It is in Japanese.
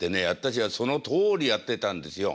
私はそのとおりやってたんですよ。